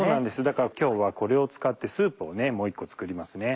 だから今日はこれを使ってスープをもう一個作りますね。